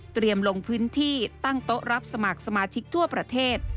ลงพื้นที่ตั้งโต๊ะรับสมัครสมาชิกทั่วประเทศ